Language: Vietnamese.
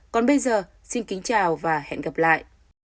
còn bây giờ xin kính chào và hẹn gặp lại